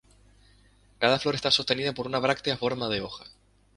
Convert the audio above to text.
Cada flor está sostenida por una bráctea forma de hoja.